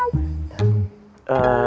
saya akan bantu mereka